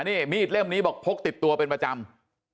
นี่มีดเล่มนี้บอกพกติดตัวเป็นประจำ